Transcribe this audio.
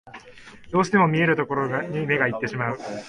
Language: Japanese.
どうしても見えるところに目がいってしまう